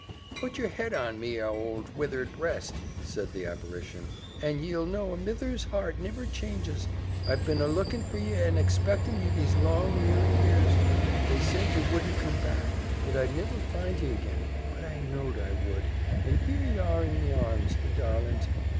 "Put yer head on me ould withered breast," said the apparition, "an' ye'll know a mither's heart niver changes. I've been a lookin' for ye and expectin' ye these long, weary years, They said ye wouldn't come back that I'd niver find ye ag'in; but I knowed I wud, and here ye are in me arms, me darlint.